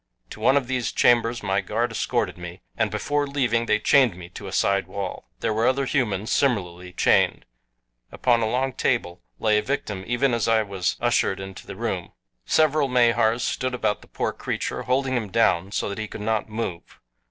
To one of these chambers my guard escorted me, and before leaving they chained me to a side wall. There were other humans similarly chained. Upon a long table lay a victim even as I was ushered into the room. Several Mahars stood about the poor creature holding him down so that he could not move.